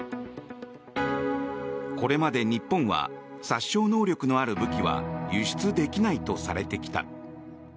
これまで日本は殺傷能力のある武器は輸出できないとされてきた。